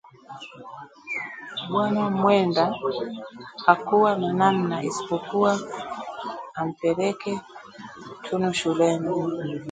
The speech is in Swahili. Bwana Mwenda hakua na namna isipokuwa ampeleke Tunu shuleni